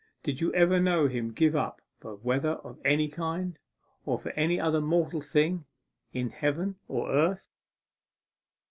Did you ever know him to give up for weather of any kind, or for any other mortal thing in heaven or earth?